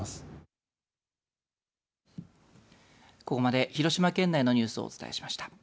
ここまで、広島県内のニュースをお伝えしました。